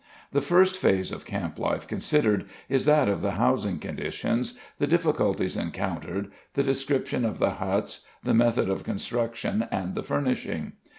The first phase of camp life considered is that of the housing conditions, the difficulties encountered, the description of the huts, the method of construction, and the furnishing.